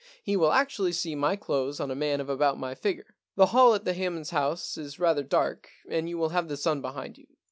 He will actually see my clothes on a man of about my figure. The hall at the Hammonds' house is rather dark, and you will have the sun behind you.